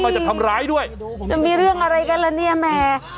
จะมีเรื่องอะไรกันแล้วเนี่ยแม่